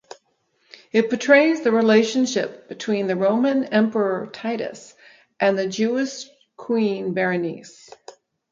It portrays the relationship between the Roman Emperor Titus and the Jewish Queen Berenice.